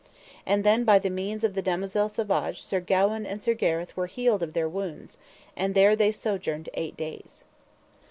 And then by the means of the damosel Savage Sir Gawaine and Sir Gareth were healed of their wounds; and there they sojourned eight days.